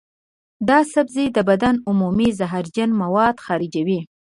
دا سبزی د بدن عمومي زهرجن مواد خارجوي.